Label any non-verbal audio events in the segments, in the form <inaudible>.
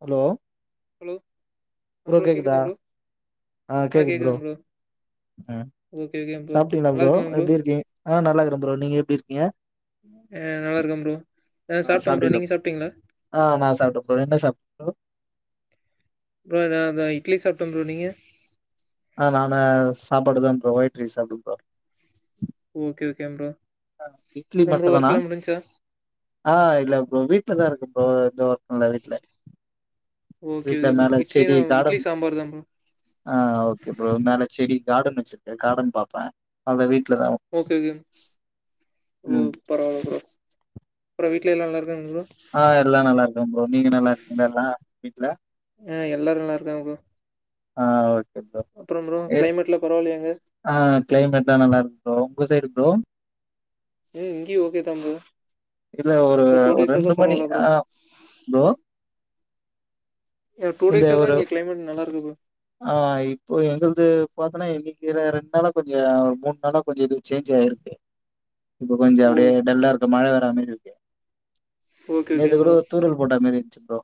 Hello hello bro கேக்குதா ஆஹ் கேக்குது ப்ரோ உம் ஓகே ஓகே ப்ரோ சாப்பிட்டீங்களா நல்லா ப்ரோ இருக்கீங்களா எப்பிடிருக்கீங் ஆஹ் நல்லாருக்கே ப்ரோ நீங்க எப்படிருக்கீங்க ஆ நல்லா இருக்கே ப்ரோ ஆ சாப்ட்டே ப்ரோ நீங்க சாப்டீங்களா ஆஹ் நா சாப்ட்டே ப்ரோ என்ன சாப் <inaudible> ப்ரோ ப்ரோ நா தா இட்லி சாப்ட்ட ப்ரோ நீங்க ஆஹ் நானு சாப்பாடுதா ப்ரோ ஒயிட் ரைஸ் சாப்ட்டே bro okay okay bro idli அப்றோ ப்ரோ மட்டும் தானா ஒர்க்லா முடிஞ்ச்சா ஆஹ் இல்ல ப்ரோ வீட்லதா இருக்கே இப்போ எந்த ஒர்க்கு இல்ல வீட்ல ஓகே வீட்ல ஓகே ப்ரோ மேல இட்லி செடி தா இட்லி கார்டன் சாம்பார் தா ப்ரோ ஆஹ் ஓகே ப்ரோ மேல செடி கார்டன் வச்சிருக்கே கார்டன் பாப்பேன் அத வீட் வீட்லதா உம் ம் பரவால்ல பரவா அப்றோம் வீட்ல எல்லாரும் நல்லா இருக்காங்க ப்ரோ ஆஹ் எல்லா நல்லா இருக்காங்க ப்ரோ நீங்க நல்லா இருக்கீங்கள எல்லா வீட்ல ஆ எல்லாரும் நல்லா இருக்காங்க ப்ரோ ஆ ஓ அப்றோ ப்ரோ <unintelligible> கிளைமேட்லா பரவால்லையா அங்க ஆ கிளைமேட் எல்லாம் நல்லா இருக்கு ப்ரோ உங்க சைடு ப்ரோ ம் இங்கே ஓகே தான் இல்ல ஒரு ப்ரோ டூ ஒரு டேஸ்ச தான் மணி பரவால்ல ப்ரோ ஆ ப்ரோ. டூ இந்த டேஸ்ச தான் ஒரு இங்க கிளைமேட் நல்லா இருக்கு ப்ரோ ஆ இப்போ எங்களது பாத் ஆனா இன்னைக்கு ரெண்டு நாளா கொஞ்சம் மூணு நாளா கொஞ்சம் இது சேஞ்ச் ஆயிருக்கு இப்ப கொஞ்சம் ஓ அப்பிடியே டல்லா இருக்க மழ வரா மாரி இருக்கு ஓகே ஓகே நேது கூட ப்ரோ ஒரு தூரல் போட்டா மேரி ச் ப்ரோ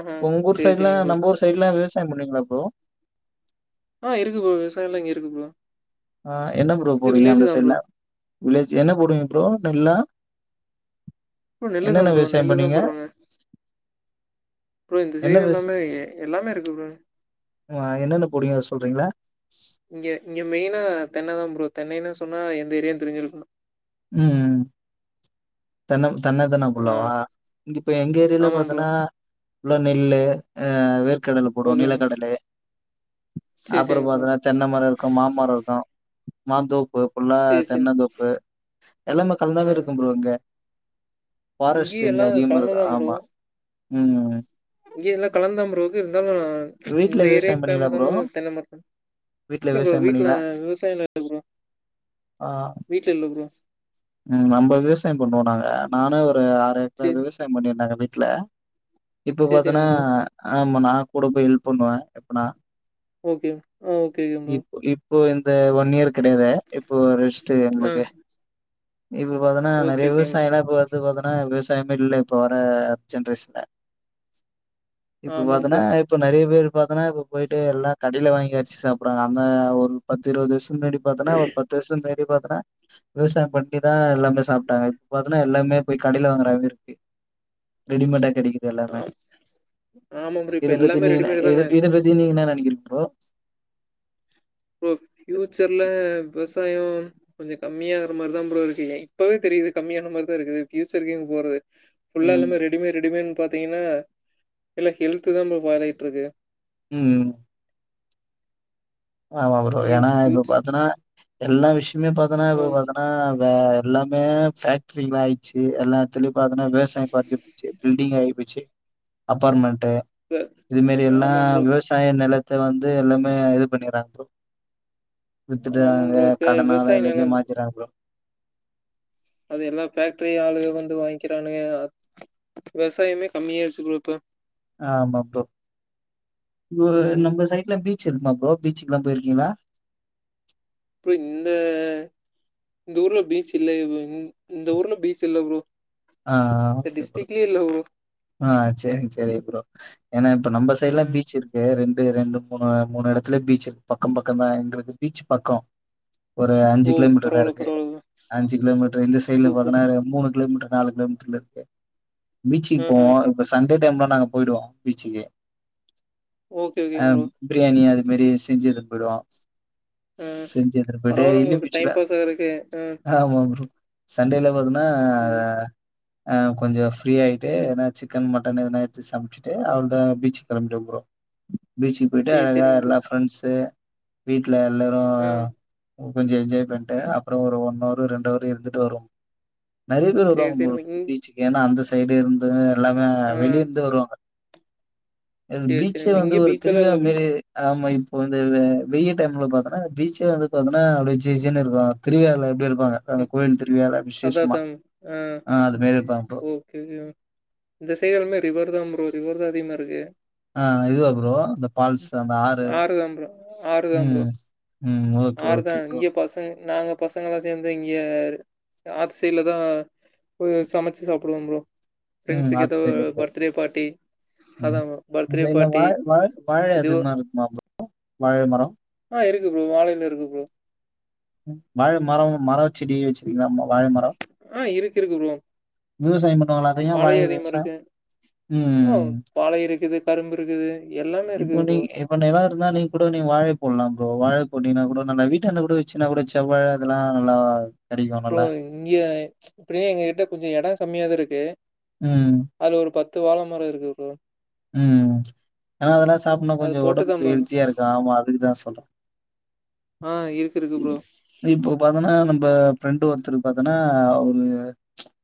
ஆஹா ஒங்கூர் சேரி சைடு்ல சேரிங்க ப்ரோ நம் ஊர் <unintelligible> <unintelligible> விவசாய பண்ணிக்கங் என்ன ப்ரோ ஆ இருக்கு ப்ரோ விவசாயலா இங்க இருக்கு ப்ரோ ஆஹ் என்ன ப்ரோ இது போடுவீங்க வில்லேஜ் அந்த தான் ப்ரோ. சைட்ல வில்லேஜ் என்ன போடுவீங்க ப்ரோ நெல்லா ப்ரோ நெல்லுதான் என்னென்ன ப்ரோ விவசாயம் நெல்லுதான் பண்ணுவீங்க? போட்றோங்க ப்ரோ இந்த என்ன சைடு விவசா எல்லாமே எல்லாமே இருக்கு ப்ரோ ஆ என்னென்ன போடுவீங்க அத சொல்றீங்களா? இங்க இங்க மெய்னா தென்ன தான் ப்ரோ தென்னைன்னு சொன்னா எந்த ஏரியா தெரிஞ்சிருக்கணு ம்ம் தென்ன தென்னைதானா ஆ புள்ளாவா இங்க இப்ப எங்க ஏரியால ஆமா ப்ரோ. பாத்தனா ஃபுல்லா நெல்லு ஆஹ் வேர் கடல ஓகே போடுவாங்க நில ப்ரோ. கடலு சரி அப்பறம் சரிங்க ப்ரோ. பாத்தன்னா தென்னமரம் இருக்கு மாமரம் இருக்கு மாந்தோப் உப்பு புள்ளா சரி சரிங்க. தென்னந்தோப்பு எல்லாமே ஆ கலந்தாவே இருக்கும் ப்ரோ இங்க பாரஸ்ட் இங்கேயும் இங்க எல்லாம் அதிகமா இருக்கு ஆமா ம் ம் இங்க எல்லாம் கலந்து தான் ப்ரோயிருக்கு இருந்தாலும் வீட்ல இந்த விவசாயம் ஏரியாக்கு பண்ணீங்களா பேமஸ் ப்ரோ? ஆனது தென்ன மரத்தாம் வீட்ல இல்ல ப்ரோ விவசாயம் வீட்டுல பண்ணீங்களா? விவசாயலாயில்ல ப்ரோ ஆ. வீட்டுல இல்ல ப்ரோ ம் நம்ப விவசாயம் பண்றோம் நாங்க நானு <unintelligible> ஆறு ஏக்கரா சரி விவசாயம் பண்ணிருந்தாங் <unintelligible> <unintelligible> இப்ப சரி பாத்தன்னா சரிங்க ப்ரோ. ஹ <unintelligible> நான் கூட போய் ஹெல்ப் பண்ணுவேன் எப்பனா ஓகே ஆஹ் ஓகே ஓகே ப்ரோ <unintelligible> இது ஒன் இயர் கிடையாது இப்போ ரெஸ்ட்டு ஆ எங்குளுக்கு இப்ப பாத்தனா ஓகே நிறைய ஓகேங்க ப்ரோ. விவசாயம்ல்லாம் <unintelligible> து பாத்தன்னா விவசாயமே இல்ல இப்ப வர ஜென்ரேஷன்ல இப்ப ஆமாம் பாத்தன்னா ப்ரோ. இப்ப நறைய பேர் பாத்தன்னா இப்போ போயிட்டு எல்லா கடைல வாங்கி வச்சி சாப்புர்றாங் அந்த ஒரு பத்து இருவது வர்ஷ் முன்னாடி பாத்தனா ஒரு பத்து வர்ஷொ பின்னாடி பாத் த விவசாயம் பண்ட்டேதா எல்லாமே சாப்ட்டாங்க இப்ப பாத்தன்னா எல்லாமே போய் கடைல வாங்குற மாரி இருக்கு ரெடிமேடா கெடைக்கிது ஆ எல்லாமே ஆமா ப்ரோ. இப்ப இதப் பத்தி எல்லாமே நீங்க என்ன ரெடிமேடு இத தானே. இதப் பத்தி நீங்க என்ன நெனக்கிறீங் அ ப்ரோ ஃப்யூச்சர்ல விவசாயொம் கொஞ்சொ கம்மியாற மாரிதா ப்ரோ இருக்கு ஏ இப்பவே தெரியிது கம்மியான மாரிதா இருக்குது ஃப்யூச்சருக்கு எங்க போறது ஃபுல்லா ம். எல்லாமே ரெடிமே ரெடிமேன் பாத்தீங்கனா இல்ல ஹெல்த்துதா இப்ப பலகிட்ருக்கு உம் ஆமா ப்ரோ ஏன் ஏன்னா இப்ப ஃபியூச் பாத்தன்னா எல்லா விஷ மே பாத்தனா ஆ இப்ப பாத்தனா வே எல்லாமே ஃபேக்ட்ரிங்ளாயிட்ச்சி எல்லாத்லயு பாத்தனா விவசாயம் <unintelligible> பில்டிங் ஆயி போச்சி அப்பார்மென் ட்டு இப்ப இது மேரியெல்லா ஆமா ப்ரோ. விவசாய நெலத் த வந்து எல்லாமே இது பண்ணிர்றாங் ப்ரோ வித்துட்டு ஆமா ப்ரோ. இப்ப கடனால விவசாய எல்லாத்தையு நிலம் மாத்திர்றாங்க ப்ரோ அது எல்லா ஃபேக்ட்டரி ஆளுக வந்து வாய்ங்கிறானுங்க அ விவசாயமே கம்மியாயிருச்சி ப்ரோ இப்ப ஆமா ப்ரோ வ ம். நம்ம சைட்ல பீ ச்சு இருக்குமா ப்ரோ பீச்சுக்குல்லா போயிருக்கீங்களா ப்ரோ இந்த இந்த ஊர்ல பீச் இல்லையே இந் இந்த ஊர்ல பீச் இல்ல ப்ரோ ஆ ஆ இந்த ஓகே ப்ரோ டிஸ்ட்ரிக்லயே இல்ல ப்ரோ. ஆ சேரிங் சேரி ப்ரோ ஏன்னா இப்ப நம்ப சைட்லா ஆ. பீச் இருக்கு ரெண் டு ரெண்டு மூணு மூணு எடத்துல பீச் இருக் பக்கம் பக்கந்தா எங்களுக்கு பீச் பக்கொ ஒரு அஞ்சி ஓ கிலோமீட்டர்தா பரவால்ல, இருக்கு பரவால்ல ப்ரோ. அஞ்சு கிலோமீட்டர் இந்த சைட்ல சூப்பர். பாத்தன்னா ஒரு மூணு கிலோமீட்டர் நாலு கிலோமீட்டர்ல இருக்கு பீச்சிக்கு ஆஹா. போவோம் இப்ப சன் டே டைம்ல நாங்க போய்டுவோ பீச்சுக்கு ஓகே, அ ஓகேங்க ப்ரோ. பிரியாணி அது இந்த மாரி செஞ்சு எடுத்து போயிடுவோ ஆ. செஞ்சு எடுத்து பேய் பரவால்ல டெய்லி உங்களுக்கு பீச்சுல டைம் பாஸ் ஆகறக்கு. ஆ. ஆமா ப்ரோ. சன்டேல போதுன்னா ம். அஹ் கொஞ்சம் ஃப்ரீ ஆயிட்டு ஏன்னா சிக்கன் மட்டன் எதுனா எடுத்து சமச்சுட்டு அவ்ளதா பீச்சு கிளம்பிடுவே ப்ரோ பீச்சுக்கு போய்ட்டு சரி, அழகா சரிங்க ப்ரோ. எல்லா ஃப்ரெண்ட்ஸூ வீட்ல எல்லாரும் ஆ. கொ கொஞ்சோ என்ஜாய் பண்டே அப்புறோ ஒரு ஒன் அவர் ரெண்டு அவர் இருந்துட்டு வருவோம் நெறைய பேர் சரி, வருவாங் சரி ப்ரோ இங் பீச்சுக்கென்ன அந்த சைடு இருந்து எல்லாமே ஆ. வெளிய இருந்து வருவாங்க எது சரி, சரிங்க பீச்சே ப்ரோ. வந்து இங்க ஒரு பீச்செல்லாம் திருவிழா இல்ல ப்ரோ. மறி ஆமா இப் இப்போ வந்து வெய டைம்ல பாத்தோன்னா பீச்சே வந்து பாத்தோன்னா அப்டியே ஜெ ஜென்னு இருக்கோ திருவிழால எப்படி இருக் இருப்பாங்க அந்த ம். கோயில் திருவிவால அதான், விசேஷமா அதான். ஆ அது மாரி இருப்பாங்க ப்ரோ ஓகே ஓகே இந்தசைடெலாமே ரிவர் தான் ப்ரோ ரிவர் தா அதிகமா இருக்கு ஆஹ் இதுவா ப்ரோ அந்த ம். பால்ஸூ அந்த ஆறு தான் ப்ரோ. ஆறு தாஞ ப்ரோ உம் ஓகே ஆறு ஓகே தான். ப்ரோ இங்க பசங்க நாங்க பசங்களா சேந்து இங்க ஆத்து சைட்ல தா போய் சமச்சு சாப்பிடுவோ ப்ரோ உம் ஃப்ரெண்ட்ஸுக்கு ஆஃப் ஏதோ சைட் இல ப்ரோ பர்த்டே பார்ட்டி அதா உம் ப்ரோ பர்த்டே உங்க <unintelligible> பார்ட்டி வாழ் வாழ் வாழை இதுவோ அதிகமா இருக்குமா ப்ரோ வாழை மரம். இது வாழை இருக்கு ப்ரோ வாழ மரோ மரோ செடி வச்சிருக்கங்களா <unintelligible> வாழை மரோ ஆ இருக்கு இருக்கு ப்ரோ விவசாயம் பண்ணுவங்களா அங்கயு வாழை வாழையு இல அதிகமா விவசாயோ இருக்கு ஆ உம் வாழை இருக்குது கரும்பு இருக்குது எல்லாமே இப்போ இருக்குது ப்ரோ நீங் இப்ப நெலோ இருந்தா நீங் கூட வாழை போட்லா ப்ரோ வாழை போட்டீனா கூட நல்ல வீட்டாண்ட கூட சின்னா கூட செவ்வாழ அதெல்லா நல்லாவா ப்ரோ இங்க எப்படியு எங்க கிட்ட கொஞ்சோ எடோ கம்மியாதா இருக்கு உம் அதுல ஒரு பத்து வாழ மர இருக்கு ப்ரோ உம் ஆனா அதெல்லா சாப்டோனா அது கொஞ்சோ போட்டுதா உடம்புக்கு ப்ரோ ஹெல்த்தியா இருக்கு ஆமா அதுக்குதா சொல்றே ஆ இருக்கு இருக்கு ப்ரோ இப்ப பாத்தோன்னா நம்ம ந ஃப்ரெண்டு ஒருத்தரு பாத்தன்னா அவரு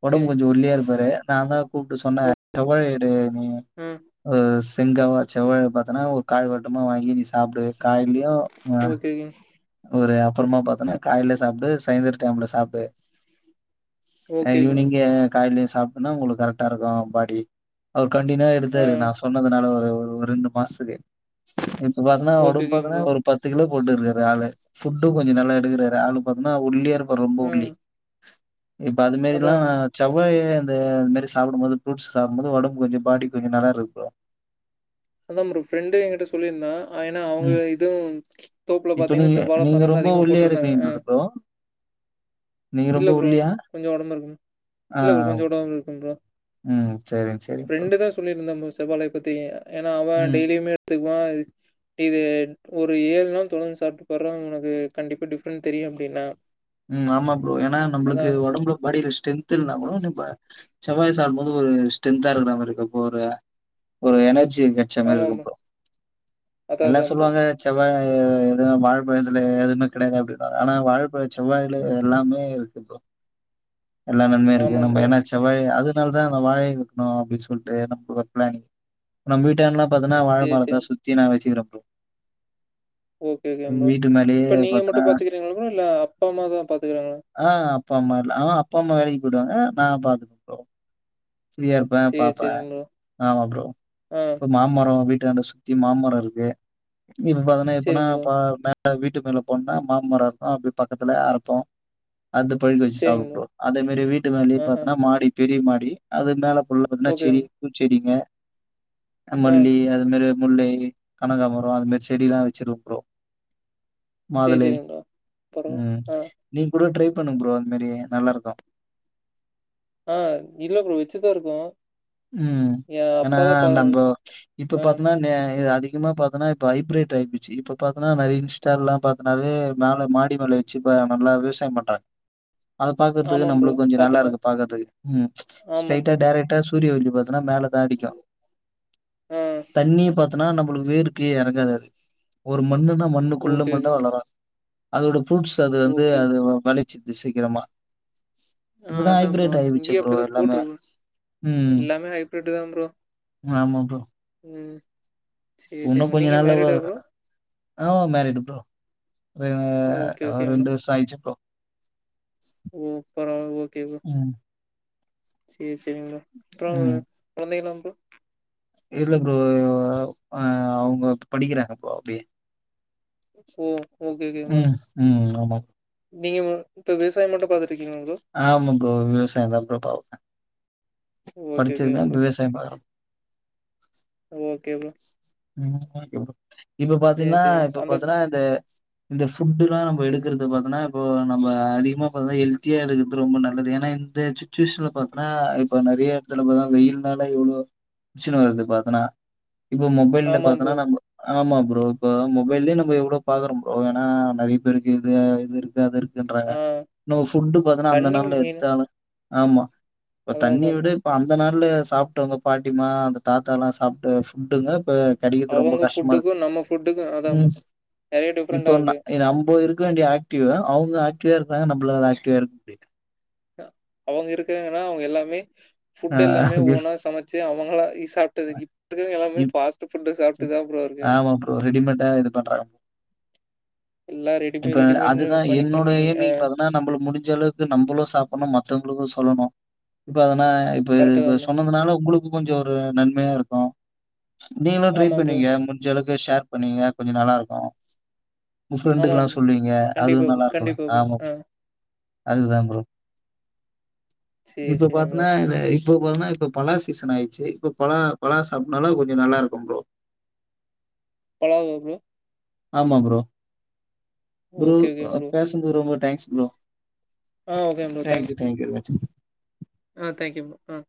ஒடம்பு சேரிங் கொஞ்சொ ஒல்லியா இருப்பாரு நாதான் உ சொன்ன ஓ தவழேடு நீ ஆ அஹ்ஸ் செங்காவா செவ்வாழய பாத்தனா ஒரு காய்வட்டமா வாங்கி நீ சாப்டு காய்லியோ உம் ஓகேங்க ஒரு அப்றமா பாத்தோன்னா காலைல சாப்டு சாய்ந்திர டைம்ல சாப்டு அஹ் ஓகேங்க ஈவ்னிங்கு காலைலயு அப்டினா உங்களுக்கு கரெக்டா இருக்கும் பாடி அவர் கண்டினியுவா ஆ எடுத்தாரு நான் சொன்னதுனால ஒரு ரெண்டு மாசத்துக்கு இப்ப பாத்தன்னா ஓகே ஒடம்பு ஓகேங்க பாத்தன்னா ப்ரோ ஒரு பத்து கிலோக் <unintelligible> ஆளு ஃபுட்டு கொஞ்சோ நல்லா எடுக்கறா ஒரு ஆளு பாத்தன்னா ஒல்லியா இருப் அ ரொம்ப ஆ ஒல்லி இப்ப அதா அதுமாரில்லா செவ்வாழய அந்த அதுமாரி சாப்டும் போது ஃப்ரூட்ஸ் சாப்டும்போது ஒடம்பு கொஞ்சம் பாடி கொஞ்சம் நல்லா இருக்கு ப்ரோ அதான் ப்ரோ ஃப்ரெண்டே எங்கிட்ட சொல்லியிருந்தா அ ஏன்னா அவங்க ம் இதுவும் ப்ச் தோப்புல இப்ப பாத்தீங்கன்னா நீங்க செவ்வாழ நீங்க பழந்தா ரொம்ப அதிகமா ஒல்லியா போட்ருந்தாங்க இருப்பீங்க ஆ போல ப்ரோ. நீங்க இல்ல ரொம்ப ப்ரோ ஒல்லியா? கொஞ்சம் ஒடம்பு இரு இல்ல ப்ரோ கொஞ்சம் ஒடம்பு இருக்கும் ப்ரோ உம் சரி சரிப்பா இன்னமு செவ்வாழை பத்தியே ஏன்னா அவ டெய்லியுமே எடுத்துக் <unintelligible> இது ஒரு ஏழு நாள் தொடர்ந்து சாப்ட்டு பார்ரா ஒனக்கு கண்டிப்பா டிஃப்ரெண்ட் தெரியு அப்டின்னா உம் ஆமா ப்ரோ ஏன்னா நம்ளுக்கு ஒடம்புல பாடியில ஸ்ட்ரென்த் இல்லனாக்கூடோ <unintelligible> செவ்வாழைய சாப்டும்போது ஒரு ஸ்ட்ரென்தா இருக்குற மாரி இருக்கு <unintelligible> ஒரு எனர்ஜி எச்ச மாரி ஆமா இருக்கு ப்ரோ. இப்போ அதான் எல்லா அதான் ப்ரோ. சொல்வாங்க செவ்வாழ எ எதுவு வாழ பழத்துல எதுமே கெடையாது அப்டின்னுவாங்க ஆனா வாழபழத் செவ்வாழைல எல்லாமே இருக்கு ப்ரோ எல்லா நன்மை இருக்கு ஆமாம் நம்ப ப்ரோ. ஏன்னா செவ்வாழய அது நல் அதா அந்த வாழைய வைக்கணு அப்டின் சொல்ட்டு நம்ளுக்கு ஒரு பிளானிங் நம்ப வீட்ட <unintelligible> பாத்தனா வாழ சரி, மரத்த சரி. சுத்தி நா வச்சுகிற ஓகே ஓகே <unintelligible> வீட்டு மேலேயே இப்ப நீங்க மட்டு பார்த்தோன்னா பாத்துக்கிறீங்களோ இல்ல அப் ப்பாம்மாதா பாத்துக்கறாங்களா ஆ அப்பா அம்மா <unintelligible> ஆ அப்பா அம்மா வேலைக்கு போய்டுவாங்க நா பாத்துக்குவே ப்ரோ. ஃப்ரியா இருப்பே சரி, பாப்பேன், சரிங்க ப்ரோ. ஆமா ப்ரோ ஆ இப்ப மாமரோ வீட் டண்ட சுத்தி மாமரோ இருக்கு. இப் பாதனா இப்பனா சரிங்க ப்ரோ. பா <unintelligible> ஆ வீட்டுக்கு மேல போனா மாமரோ இருக்கு அப்டியே. பக்கத்துல அறப்போ அது பழுக்க வச்சு சரிங்க ப்ரோ. சாப்புட்டோ அதே மாரி வீட்டுக்கு <unintelligible> ஆஹ. பாத்தன்னா மாடிப் பெரிய மாடி அது மேலப் <unintelligible> னா சேரி ஓகேங்க. பூச்செடிங்க. அ ஆ மல்லி அது மாரி <unintelligible> முல்லை கனகாாமரோ அது மாரி செடில்லா வச்சிருக்குறோ சேரி சேரிங் ப்ரோ. பரவால்ல. உம் ஆ, நீங் கூட ட்ரை பண்ணுங்க ப்ரோ அது மாரி நல்லா இருக்கு ஆ, இல்ல ப்ரோ வெச்சுதா இருக்கே உம் ஏன்னா நம்போ இப்ப ஆ. பாத்தோம்னா நே இது அதிக் அதிகமா பாத்தோன்னா இப்ப ஹைப்ரேட் ஆய்ப்போச்சு இப்பப்பாத்தன்னா நெறைய இன்ஸ்டால்லா பாத்தனாவே மேல மாடி மேலல வச்சுப்ப நல்லா விவசாயோ பண்றாங் அத ஆமா பாக்குறதுக்கு ப்ரோ. நம்மளுக்கு கொஞ்சோ நல்லா பாத்தேன் பா இருக்கு பாக்குறதுக்கு ம் ம்ச் ஆமா ஸ்ட்ரைட்டா ப்ரோ. டைரக்ட்டா ஸ் <unintelligible> த்துன்னா மேல தாட்டிக்கு ஆ தண்ணி பத் த்துன்னா நம்மளுக்கு வேர்க்கே இறங்காது அது ஒரு மண்ணுத்தா ஆ மண்ணுக்குள்ள ஓகே, மட்டு ஓகே. வளரா. அதோடு. ஃப்ரூட்ஸ் அது வந்து ஓகே. அ வளிச்சுத் து சீக்கிரமா. ஆஹ் இப்பதான் அதா ப்ரோ ஹைபிரேட் ஆயிடுச்சு இங்கேயு ப்ரோ அப்டிதா எல்லாமே போட்ருந்துச் எல்லாமே ஹைபிரிட்தா ப்ரோ. ஆமாப்பா. உம். சேரி சேரி நீங்க மேரிடா ப்ரோ. ஆஹ் மேரிடு ப்ரோ ஏ ஓகே, ஆ ஓகே ரெண்டு வருச அயிருச்சு ப்ரோ. உ ப ஓகே ப்ரொ ம் சேர் செரிங்க அப்றோ ம் கொழந்தைகளா ம் இல்ல ப்ரோ அ அவங்க படிக்கிறாங்க இப்போ அப்டியே ஓ ஒகே ஒகேங்க ம் ஆமா நீங்க <unintelligible> இப்ப விவசாய மட்டு பாக்குற் ஆமா ப்ரோ விவசாய தா <unintelligible> ஓகே, ஓகே படிச்சதுகா <unintelligible> ப்ரோ. விவசாய பாக்கறோ ம் ம் ஒகே ப்ரோ இப்ப பாத்தீன்னா சரிங்க. இப்ப அந்த பாத்தனா இந்த இந்த ஃப் ஃபுட்டுல்லா நம்ம எடுக்கறது பாத்தனா இப்போ நம்ம அதிகமா பாத்த ஹெல்த்தியா எடுக்கறது ரொம்ப நல்லது ஏன்னா எந்த சுச்சுவேஷன்ல பாத்தோனா இப்போ நறிய ஈடத்துல பாத்த வெயில்னால எவ்ளோ ப்ரச்சின வருது பாத்தனா இப்போ <unintelligible> ஆமா ப்ரோ. பாத்தோன நம்ம ஆமா ப்ரோ இப்ப மொபைல்லயே நம்ம எவ்ளோ பாக்றோ ப்ரோ ஏன்னா நறிய பேருக்கு இது இது இருக்கு அது இருக் குன்றாங்க ஆ நம ஃபுட் பாத்தன்னா அந்த தண்ணி நாள்ல மெயின் எடுத்தாங்க ஆமா இப்ப அதான், தண்ணி அதான். விட இப்ப அந்த நா உள்ள சாப்டோ உங்க பாட்டிமா அந்த தாத்தா லா சாப்ட்டு ஃபுட்டுல போன் அவங்க ஃபுட்டுக்கு நம்ம ஃபுட்டுக்கு அதா ம். உண்ம நறைய டிஃப்ரெண்டா இருக்கு குலா இங்க ஆக்ட்டிவ்வ அவுங்க ஆக்ட்டிவ்வ இருக்காங்க நம்ப்ளால ஆக்ட்டிவ்வா இருக் முடில அவங்க இருக்கறங்கனா அவங்க எல்லாமே ஆ ஃபுட் எல்லாமே ஓனா சமைச்சு அவங்களா இ சாப்டது இப்ப இருக்குற எல்லாமே இப் ஃபாஸ்ட் ஃபுட் சாப்பிட்டு தான் ப்ரோ இருக்கு ஆமா ப்ரோ ரெடிமேடா இது பண்றாங்க எல்லாம் இப்ப ரெடிமேட் ரெடிமேட்னு அதுதா பண்ணி என்னோட பண்ணி ஆ <unintelligible> காக தா நம்மலு முடிஞ்ச அளவுக்கு நம்மளு சாப்டணு மத்தவங்களுக்கு சொ <unintelligible> இப்போ இப்ப கரெக்ட்டு இப்போ தான் ப்ரோ சொன்னதுனால உங்களுக் கொஞ்ச ஒரு நன்மையா இருக்கோ ட்ரை ஆமாம் ப்ரோ பண்ணீங்க முஞ்ச அளக் து ஷேர் பண்ணீங்க கொஞ்ச நல்லா இருக்கோ உ ஃப்ரெண்டுகெல்லா ஆமாம் ப்ரோ சொல்லுவீங்க அதுவு கண்டிப்பா நல்லா இருக்குலா கண்டிப்பா ப்ரோ ஆமா ஆ அதுதா ப்ரோ சரி இப்போ சரிங்க பாத்தன ப்ரோ <unintelligible> இப்போ போததுன்னா இப்ப பலா சீசன் ஆயிச்சு இப்போ பலா பலா சாப்பனால கொஞ்சம் நல்லா இருக்கும் ப்ரோ பழாவா போரோ ஆம்மா போரோ குர ஓகே ஓகே ப்ரோ பேசந்து ரொம்ப ங்க் ப்ரோ ஆ ஓகே போ thank thanks you, thank you very much. ஆஹ் தேங்க்யூ போரோ ஆ